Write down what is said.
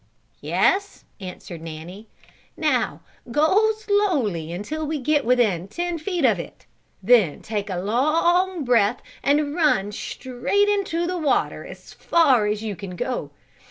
"Yes," answered Nanny. "Now go slowly until we get within ten feet of it; then take a long breath and run straight into the water as far as you can go.